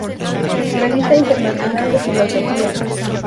Revista Internacional de Filosofía".